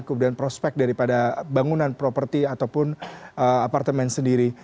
kemudian prospek daripada bangunan properti ataupun apartemen sendiri